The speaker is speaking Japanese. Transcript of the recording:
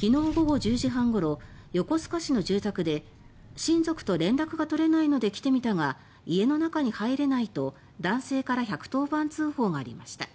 昨日午後１０時半ごろ横須賀市の住宅で親族と連絡が取れないので来てみたが、家の中に入れないと男性から１１０番通報がありました。